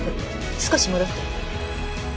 少し戻って。